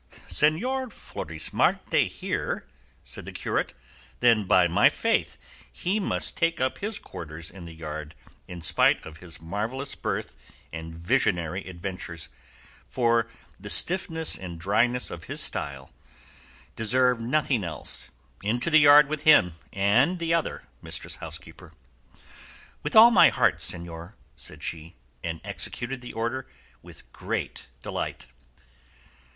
"Señor Florismarte here?" said the curate; "then by my faith he must take up his quarters in the yard, in spite of his marvellous birth and visionary adventures, for the stiffness and dryness of his style deserve nothing else; into the yard with him and the other, mistress housekeeper." "With all my heart, señor," said she, and executed the order with great delight.